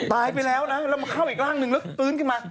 ตายไปแล้วนะแล้วมาเข้าอีกร่างนึงแล้วฟื้นขึ้นมา